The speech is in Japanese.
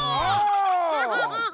ハハハハ！